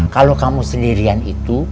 kalau kamu sendirian itu